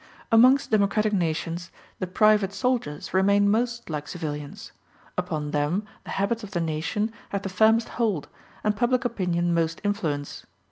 Amongst democratic nations the private soldiers remain most like civilians: upon them the habits of the nation have the firmest hold, and public opinion most influence.